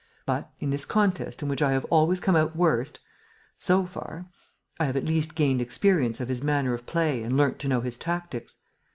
But, in this contest in which I have always come out worst ... so far ... I have at least gained experience of his manner of play and learnt to know his tactics.